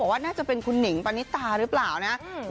ว่าน่าจะเป็นคุณหนิงปณิตาหรือเปล่านะ